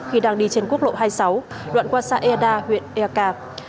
khi đang đi trên quốc lộ hai mươi sáu đoạn qua xã eda huyện eka